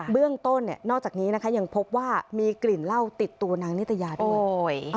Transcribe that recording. เบื้องต้นนอกจากนี้นะคะยังพบว่ามีกลิ่นเหล้าติดตัวนางนิตยาด้วย